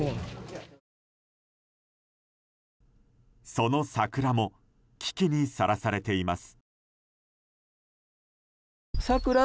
その桜も危機にさらされています。